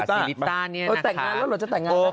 ศีริตะศีริตะเอาแต่งงานแล้วเราจะแต่งงาน